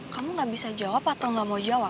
kamu ga bisa jawab atau ga mau jawab